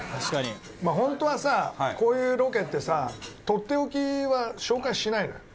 本当はさ、こういうロケってさとっておきは紹介しないのよ。